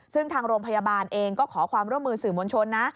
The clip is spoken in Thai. ซึ่งทางโรงพยาบาลเองก็ขอความร่วมมือสื่อมวลชนนะ